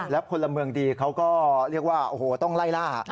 แล้วพลเมืองดีเขาก็เรียกว่าโอ้โหต้องไล่ล่า